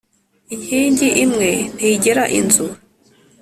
“Inkingi imwe ntigera inzu”.